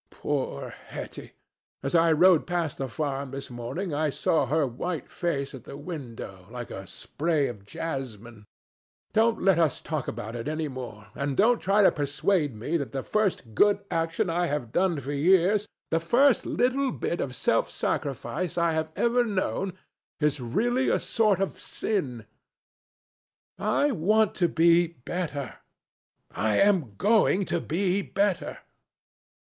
Poor Hetty! As I rode past the farm this morning, I saw her white face at the window, like a spray of jasmine. Don't let us talk about it any more, and don't try to persuade me that the first good action I have done for years, the first little bit of self sacrifice I have ever known, is really a sort of sin. I want to be better. I am going to be better.